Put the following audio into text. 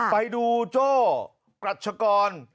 ไปดูโจ้กรัชกร